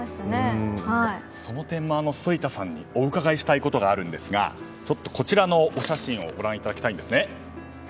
その点も、反田さんにお伺いしたいことがあるんですがこちらのお写真をご覧いただきたいんですね。